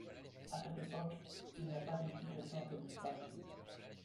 À cette époque, il n'y a pas d'explication à cette disparition.